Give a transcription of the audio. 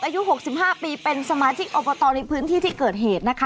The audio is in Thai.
อายุ๖๕ปีเป็นสมาชิกอบตในพื้นที่ที่เกิดเหตุนะคะ